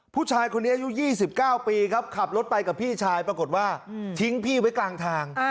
ผู้ชายคนนี้อายุ๒๙ปีครับขับรถไปกับพี่ชายปรากฏว่าทิ้งพี่ไว้กลางทาง